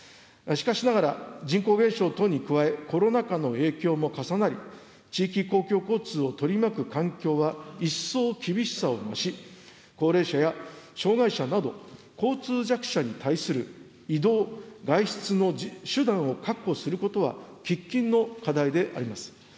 しかしながら、人口減少等に加え、コロナ禍の影響も重なり、地域公共交通を取り巻く環境は一層厳しさを増し、高齢者や障害者など、交通弱者に対する移動、外出の手段を確保することは喫緊の課題であります。